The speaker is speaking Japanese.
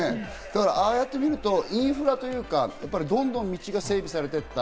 ああやってみるとインフラっていうか、どんどん道が整備されていった。